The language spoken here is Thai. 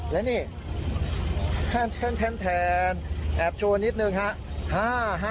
แล้วนี่แทนแทนแอบชัวร์นิดหนึ่งครับ